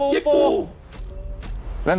เย็กปูมาแล้วจ้ะ